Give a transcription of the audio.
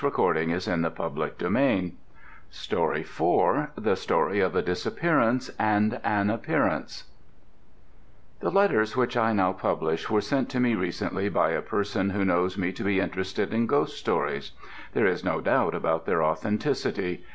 THE STORY OF A DISAPPEARANCE AND AN APPEARANCE THE STORY OF A DISAPPEARANCE AND AN APPEARANCE The letters which I now publish were sent to me recently by a person who knows me to be interested in ghost stories. There is no doubt about their authenticity.